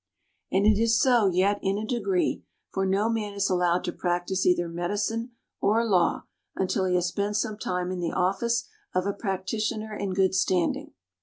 And it is so yet in a degree, for no man is allowed to practise either medicine or law until he has spent some time in the office of a practitioner in good standing.